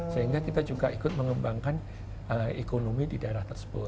sehingga kita juga ikut mengembangkan ekonomi di daerah tersebut